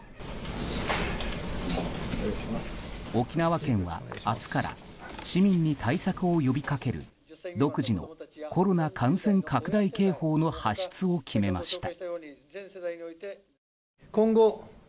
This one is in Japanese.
沖縄県は明日から市民に対策を呼び掛ける独自のコロナ感染拡大警報の発出を決めました。